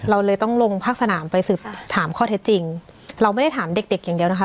เราเลยต้องลงภาคสนามไปสืบถามข้อเท็จจริงเราไม่ได้ถามเด็กเด็กอย่างเดียวนะคะ